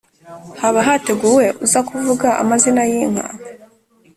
haba hateguwe uza kuvuga amazina y’inka,